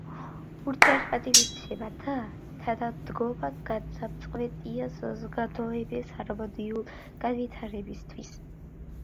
ურთიერთპატივისცემა და თანადგომა გადამწყვეტია საზოგადოების ჰარმონიული განვითარებისთვის.